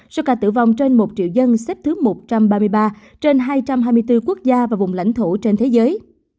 số ca tử vong trên một triệu dân xếp thứ một trăm ba mươi ba trên hai trăm hai mươi bốn quốc gia và vùng lãnh thổ trên thế giới